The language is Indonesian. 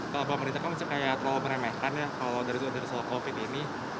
kalau pemerintah kan masih kayak terlalu menemekan ya kalau dari dulu selama covid sembilan belas ini